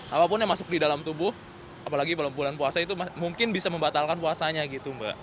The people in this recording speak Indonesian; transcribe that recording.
apapun yang masuk di dalam tubuh apalagi bulan puasa itu mungkin bisa membatalkan puasanya gitu mbak